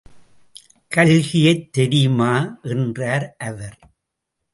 கல்கியைத் தெரியுமா? என்றார் அவர்.